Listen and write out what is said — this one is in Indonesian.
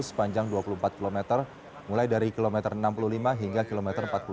sepanjang dua puluh empat kilometer mulai dari km enam puluh lima hingga km empat puluh satu